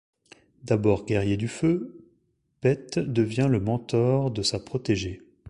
D’abord guerrier du feu, Pete devient le mentor de sa protégée.